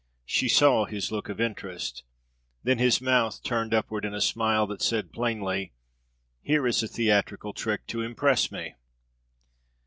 She saw his look of interest; then his mouth turned upward in a smile that said plainly: "Here is a theatrical trick to impress me!"